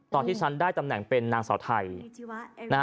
ตอนที่ฉันได้ตำแหน่งเป็นนางสาวไทย